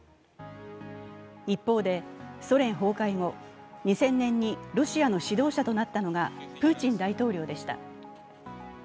一方で、ソ連崩壊後、２０００年にロシアの指導者となったのがプーチン大統領でした。